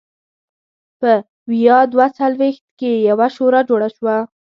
په ویا دوه څلوېښت کې یوه شورا جوړه شوه.